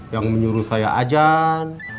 yang menyuruh saya ajar